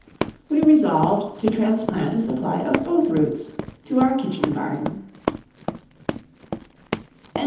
We resolved to transplant a supply of both roots to our kitchen garden. CHAPTER X.